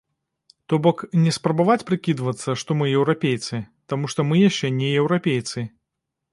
То бок, не спрабаваць прыкідвацца, што мы еўрапейцы, таму што мы яшчэ не еўрапейцы.